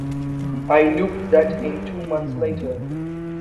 I looped that in two months later.